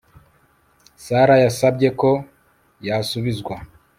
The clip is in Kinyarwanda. Sara yasabye ko yasubizwa